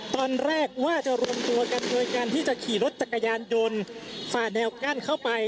ตอนแรกว่าจะรวมตัวกันโดยการที่จะขี่รถจักรยานยนต์ฝ่าแนวกั้นเข้าไป